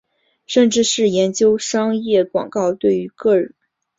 甚至是研究商业广告对于个人喜好的影响也被视为是与方法论的个人主义相背的。